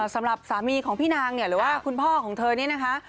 สำหรับสามีของพี่นางเนี่ยหรือว่าคุณพ่อของเธอนี่นะคะ